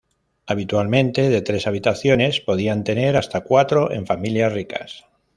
Habitualmente de tres habitaciones, podían tener hasta cuatro en familias ricas.